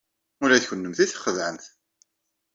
Ula d kennemti txedɛemt!